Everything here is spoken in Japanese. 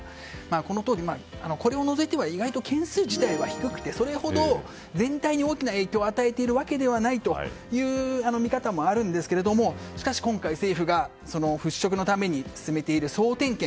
このとおり、これらを除いては意外と件数自体は低くてそれほど全体に大きな影響を与えているわけではないという見方もあるんですけど今回、政府が払しょくのために進めている総点検。